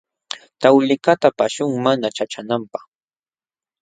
Tawlikaqta paqaśhun mana ćhaqćhananpaq.